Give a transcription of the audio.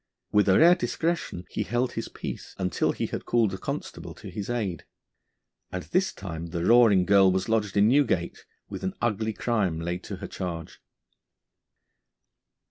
With a rare discretion he held his peace until he had called a constable to his aid, and this time the Roaring Girl was lodged in Newgate, with an ugly crime laid to her charge.